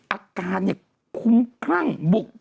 อาการคุ้มคร่างบุกขึ้นไป